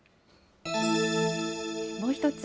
もう一つ